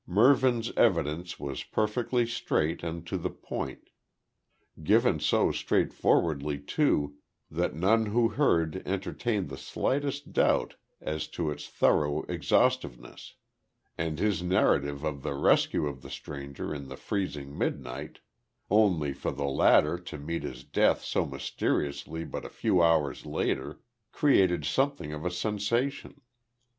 Mervyn's evidence was perfectly straight and to the point; given so straightforwardly too, that none who heard entertained the slightest doubt as to its thorough exhaustiveness; and his narrative of the rescue of the stranger in the freezing midnight, only for the latter to meet his death so mysteriously but a few hours later, created something of a sensation.